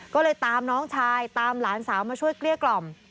ก็เลยตามน้องชายตามหลานสาวมาช่วยเกลี้ยกล่อม